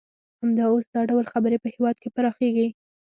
همدا اوس دا ډول خبرې په هېواد کې پراخیږي